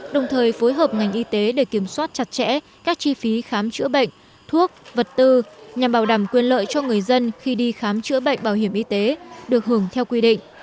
đồng thời phối hợp ngành y tế để kiểm soát chặt chẽ các chi phí khám chữa bệnh thuốc vật tư nhằm bảo đảm quyền lợi cho người dân khi đi khám chữa bệnh bảo hiểm y tế được hưởng theo quy định